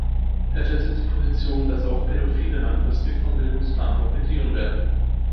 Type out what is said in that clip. Er vertritt die Position, dass „auch Pädophile langfristig vom Bildungsplan profitieren werden“.